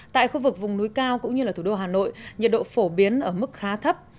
tại khu vực vùng núi cao cũng như thủ đô hà nội nhiệt độ phổ biến ở mức khá thấp